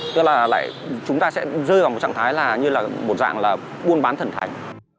tức là lại chúng ta sẽ rơi vào một trạng thái như là một dạng là buôn bán thần thành